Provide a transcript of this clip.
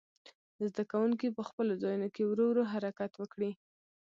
زده کوونکي په خپلو ځایونو کې ورو ورو حرکت وکړي.